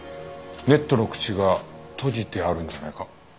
ネットの口が閉じてあるんじゃないか？